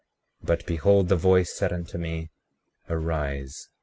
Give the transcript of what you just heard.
36:8 But behold, the voice said unto me: Arise.